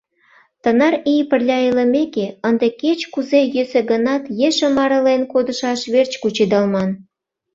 Тынар ий пырля илымеке, ынде, кеч-кузе йӧсӧ гынат, ешым арален кодышаш верч кучедалман.